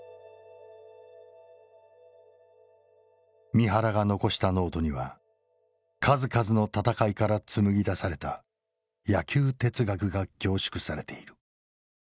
三原が残したノートには数々の戦いから紡ぎ出された野球哲学が凝縮されている。